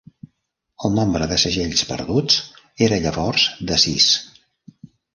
El nombre de segells perduts era llavors de sis.